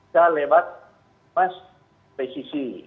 sudah lewat mas presisi